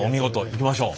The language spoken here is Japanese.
いきましょう。